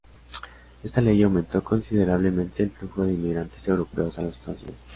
Esta ley aumentó considerablemente el flujo de inmigrantes europeos a los Estados Unidos.